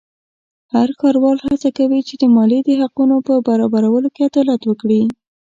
هر ښاروال هڅه کوي چې د مالیې د حقونو په برابرولو کې عدالت وکړي.